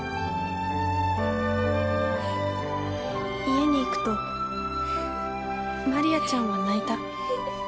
家に行くとマリアちゃんは泣いた。